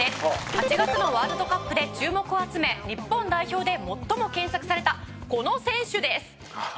８月のワールドカップで注目を集め日本代表で最も検索されたこの選手です！